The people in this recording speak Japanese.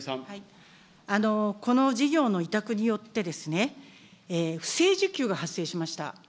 この事業の委託によって、不正受給が発生しました。